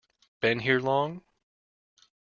Been here long?